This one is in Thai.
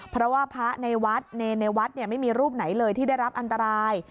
เพราะว่าพระในวัดเนรในวัดไม่มีรูปไหนเลยที่ได้รับอันตราย